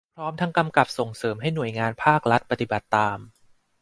พร้อมทั้งกำกับส่งเสริมให้หน่วยงานภาครัฐปฏิบัติตาม